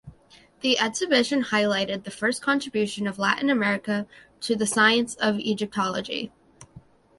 The exhibition highlighted the first contribution of Latin America to the science of Egyptology.